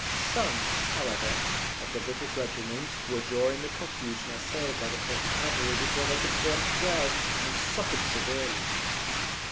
Some, however, of the British regiments were during the confusion assailed by the French cavalry before they could form squares, and suffered severely.